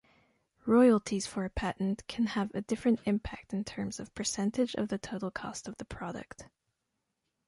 Royalties for a patent can have a different impact in terms of percentage of the total cost of the product.